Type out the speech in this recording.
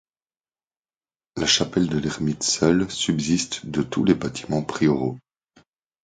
La chapelle de l'Ermite seule subsiste de tous les bâtiments prioraux.